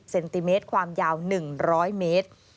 เซนติเมตรความยาว๑๐๐เมตร